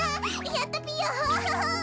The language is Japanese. やったぴよん。